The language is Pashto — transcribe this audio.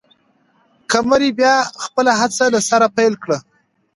قمري بیا خپله هڅه له سره پیل کړه.